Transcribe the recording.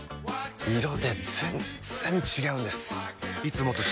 色で全然違うんです！